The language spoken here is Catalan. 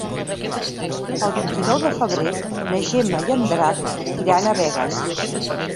El vint-i-nou de febrer na Gemma i en Drac iran a Begues.